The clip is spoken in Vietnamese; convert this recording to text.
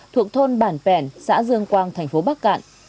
thuộc thôn bản phèn xã dương quang tp bắc cạn